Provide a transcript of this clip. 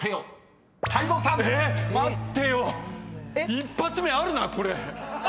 １発目あるなこれ！